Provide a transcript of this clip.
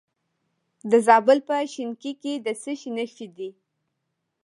د زابل په شینکۍ کې د څه شي نښې دي؟